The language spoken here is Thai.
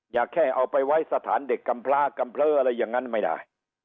อย่าแค่เอาไปไว้สถานเด็กกำพลากำเพลออะไรอย่างนั้นไม่ได้